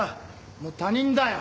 もう他人だよ！